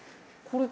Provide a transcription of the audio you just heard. これ。